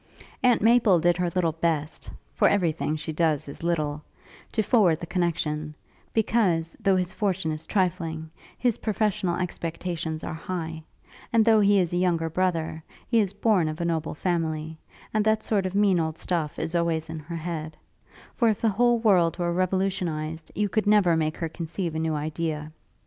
Aunt Maple did her little best for every thing she does is little to forward the connexion; because, though his fortune is trifling, his professional expectations are high; and though he is a younger brother, he is born of a noble family: and that sort of mean old stuff is always in her head; for if the whole world were revolutionized, you could never make her conceive a new idea.